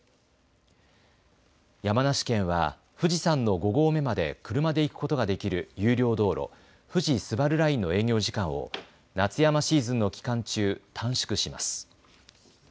山梨県は富士山の５合目まで車で行くことができる有料道路富士スバルラインの営業時間を夏山シーズンの期間中、短縮します。